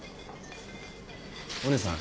お姉さん。